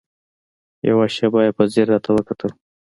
يوه شېبه يې په ځير راته وکتل.